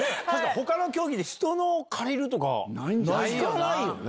ほかの競技で、人の借りるとか、聞かないよね。